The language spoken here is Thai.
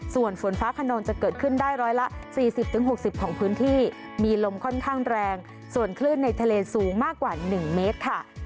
ส่วนฝนฟ้าขนองจะเกิดขึ้นได้ร้อยละ๔๐๖๐ของพื้นที่มีลมค่อนข้างแรงส่วนคลื่นในทะเลสูงมากกว่า๑เมตรค่ะ